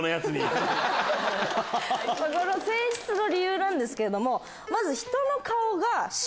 選出の理由なんですけれども。